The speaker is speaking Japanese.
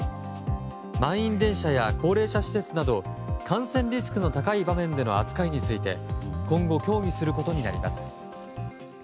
満員電車や高齢者施設など感染リスクの高い場面での扱いについて今後、協議することになります。